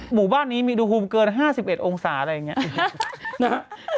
หมู่บ้านนี้มีอุณหภูมิเกิน๕๑องศาอะไรอย่างนี้นะฮะ